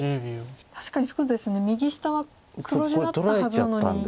確かにそうですね右下は黒地だったはずなのに。